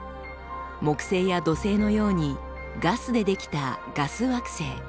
木星や土星のようにガスで出来た「ガス惑星」。